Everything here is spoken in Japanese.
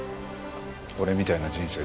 俺みたいな人生